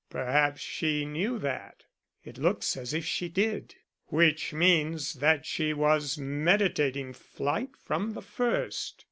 "Perhaps she knew that." "It looks as if she did." "Which means that she was meditating flight from the first."